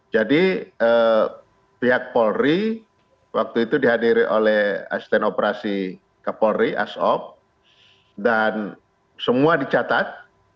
jadi pihak polri waktu itu dihadiri oleh asisten operasi ke polri asop dan semua dicatat